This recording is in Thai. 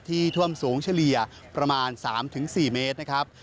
ท่วมสูงเฉลี่ยประมาณ๓๔เมตรนะครับ